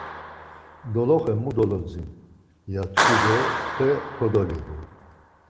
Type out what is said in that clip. Doloxe mu dolodzin? ya tku do xe kodoliğu.